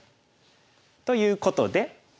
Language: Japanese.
ということで。